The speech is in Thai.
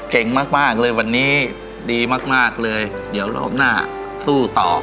เก่งมากเลยวันนี้ดีมากเลยเดี๋ยวรอบหน้าสู้ต่อ